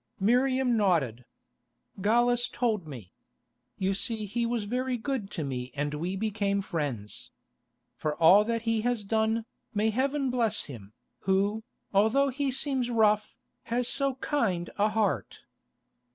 Miriam nodded. "Gallus told me. You see he was very good to me and we became friends. For all that he has done, may Heaven bless him, who, although he seems rough, has so kind a heart."